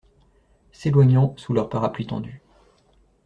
S'éloignant sous leurs parapluies tendus.